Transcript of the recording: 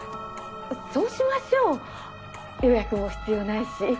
そうしましょう予約も必要ないし。